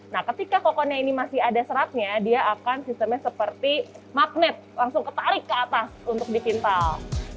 nah ketika kokonnya ini masih ada seratnya dia akan sistemnya seperti magnet langsung ketarik ke atas untuk dipintal